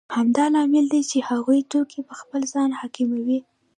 همدا لامل دی چې هغوی توکي په خپل ځان حاکموي